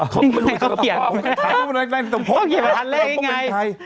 เขาเขียนว่าอะไรไง